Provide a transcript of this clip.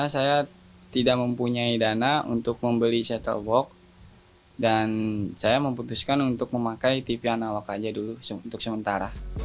saya tidak mempunyai dana untuk membeli settle box dan saya memutuskan untuk memakai tv analog aja dulu untuk sementara